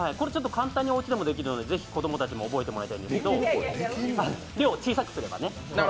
簡単におうちでもできるので子供たちにも覚えてもらいたいんですけど量を小さくすればね。